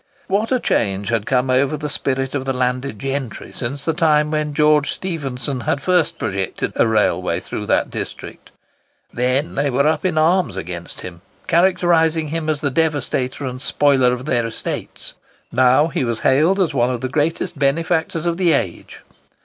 What a change had come over the spirit of the landed gentry since the time when George Stephenson had first projected a railway through that district! Then they were up in arms against him, characterising him as the devastator and spoiler of their estates; now he was hailed as one of the greatest benefactors of the age.